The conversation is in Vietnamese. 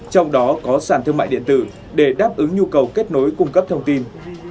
trong đó có sản thương mại điện tử để đáp ứng nhu cầu kết nối cung cấp thông tin